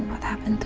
apa yang terjadi